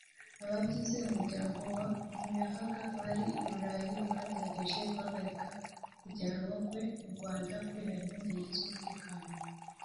Abagize umuryango wa Ntuyahaga bari i Burayi bagerageje guhagarika kujyanwa kwe mu Rwanda kubera impungenge z’umutekano